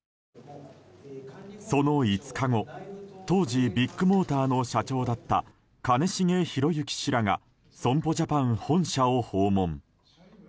その５日後当時ビッグモーターの社長だった兼重宏行氏らが損保ジャパン本社を訪問。